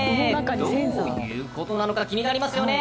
どういうことなのか気になりますよね。